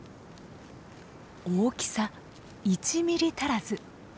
大きさ１ｍｍ足らず。